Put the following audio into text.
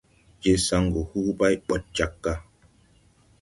Je saŋgu hu bay ɓay ɓɔd jag gà.